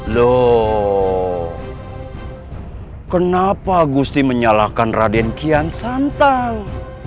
loh kenapa gusti menyalahkan raden kian santang